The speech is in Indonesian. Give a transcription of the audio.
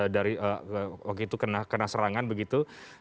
dari waktu itu kena serangan begitu